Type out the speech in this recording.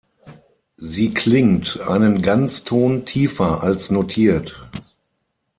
Sie klingt einen Ganzton tiefer als notiert.